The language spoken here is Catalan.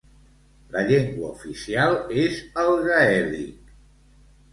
La llengua oficial és el gaèlic.